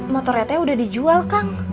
motornya teh udah dijual kang